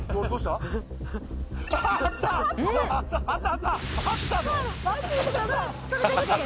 あった！